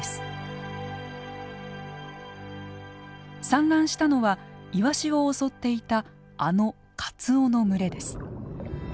産卵したのはイワシを襲っていたあのカツオの群れです。